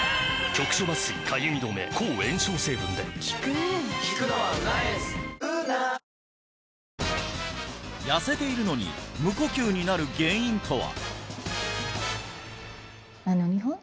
ええいやだな痩せているのに無呼吸になる原因とは？